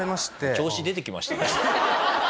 調子出てきましたね。